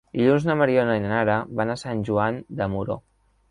Dilluns na Mariona i na Nara van a Sant Joan de Moró.